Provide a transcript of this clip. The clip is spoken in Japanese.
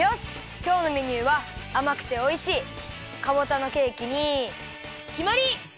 きょうのメニューはあまくておいしいかぼちゃのケーキにきまり！